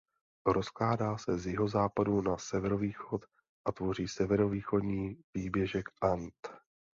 Rozkládá se z jihozápadu na severovýchod a tvoří severovýchodní výběžek And.